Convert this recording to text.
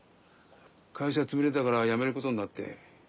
会社つぶれたから辞めることになって。